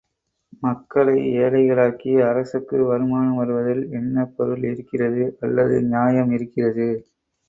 மக்களை ஏழைகளாக்கி அரசுக்கு வருமானம் வருவதில் என்ன பொருள் இருக்கிறது, அல்லது நியாயம் இருக்கிறது?